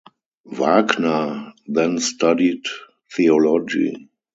Wagner then studied theology.